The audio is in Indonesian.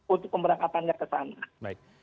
untuk pemberangkatannya ke sana